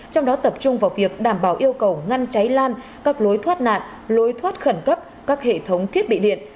trong đó tập trung vào việc đảm bảo yêu cầu ngăn cháy lan các lối thoát nạn lối thoát khẩn cấp các hệ thống thiết bị điện